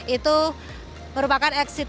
itu merupakan eksitor